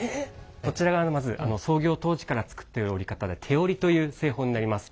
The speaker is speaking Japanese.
こちらがまず創業当時から作っている織り方で手織りという製法になります。